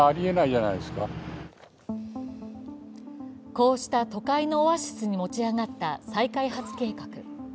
こうした都会のオアシスに持ち上がった再開発計画。